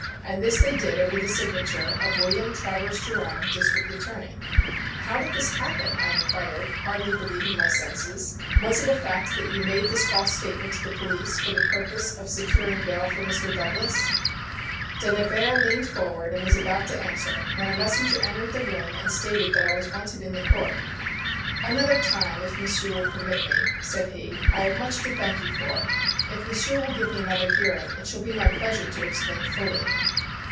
And this they did over the signature of William Travers Jerome, District Attorney. "How did this happen?" I inquired, hardly believing my senses. "Was it a fact that you made this false statement to the Police for the purpose of securing bail for Mr. Douglas?" De Nevers leaned forward and was about to answer when a messenger entered the room and stated that I was wanted in the court. "Another time, if M'sieu' will permit me," said he. "I have much to thank you for. If M'sieu' will give me another hearing it shall be my pleasure to explain fully."